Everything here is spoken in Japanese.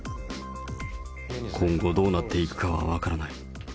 今後、どうなっていくかは分からない。